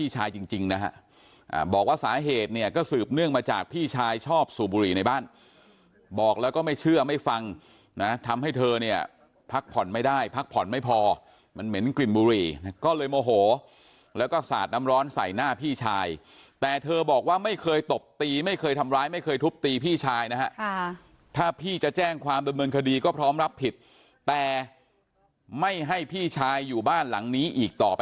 จริงนะฮะบอกว่าสาเหตุเนี่ยก็สืบเนื่องมาจากพี่ชายชอบสูบบุหรี่ในบ้านบอกแล้วก็ไม่เชื่อไม่ฟังนะทำให้เธอเนี่ยพักผ่อนไม่ได้พักผ่อนไม่พอมันเหม็นกลิ่นบุหรี่ก็เลยโมโหแล้วก็สาดน้ำร้อนใส่หน้าพี่ชายแต่เธอบอกว่าไม่เคยตบตีไม่เคยทำร้ายไม่เคยทุบตีพี่ชายนะฮะถ้าพี่จะแจ้งความดำเนินคดีก็พร้อมรับผิดแต่ไม่ให้พี่ชายอยู่บ้านหลังนี้อีกต่อไป